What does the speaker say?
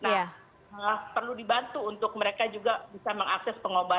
nah perlu dibantu untuk mereka juga bisa mengakses pengobatan